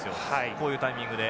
こういうタイミングで。